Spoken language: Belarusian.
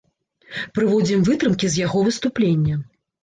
Прыводзім вытрымкі з яго выступлення.